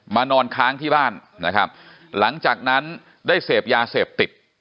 นอนค้างที่บ้านนะครับหลังจากนั้นได้เสพยาเสพติด